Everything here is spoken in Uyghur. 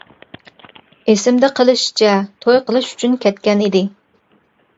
ئېسىمدە قىلىشىچە توي قىلىش ئۈچۈن كەتكەن ئىدى.